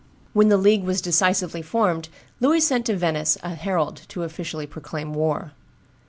When the league was decisively formed, Louis sent to Venice a herald to officially proclaim war.